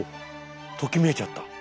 ときめいちゃった。